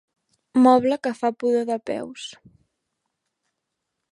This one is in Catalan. Moble que fa pudor de peus.